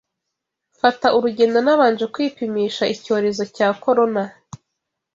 Mfata urugendo nabanje kwipimisha icyorezo cya corona.